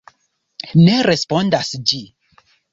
Ne respondas ĝi.